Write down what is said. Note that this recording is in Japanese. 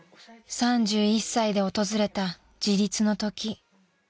［３１歳で訪れた自立の時］